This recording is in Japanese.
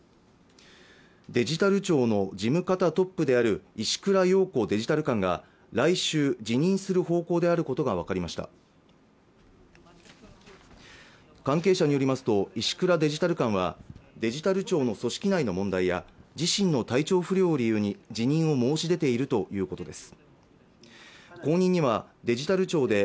デジタル庁の事務方トップである石倉洋子デジタル監が来週辞任する方向であることが分かりました関係者によりますと石倉デジタル監はデジタル庁の組織内の問題や自身の体調不良を理由に辞任を申し出ているということです